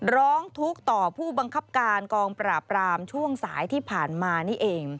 ร้องทุกข์ต่อผู้บังคับการกองปราบรามช่วงสายที่ผ่านมานี่เอง